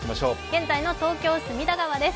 現在の東京・隅田川です